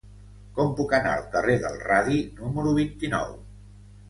Com puc anar al carrer del Radi número vint-i-nou?